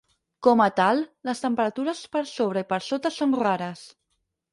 Com a tal, les temperatures per sobre i per sota són rares.